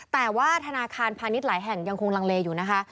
แต่ว่าธนาคารพาณิชย์หลายแห่งยังคงลังเลอยู่นะคะ